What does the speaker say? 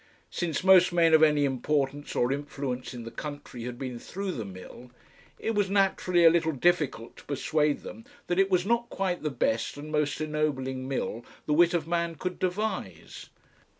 Since most men of any importance or influence in the country had been through the mill, it was naturally a little difficult to persuade them that it was not quite the best and most ennobling mill the wit of man could devise.